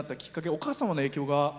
お母様の影響が。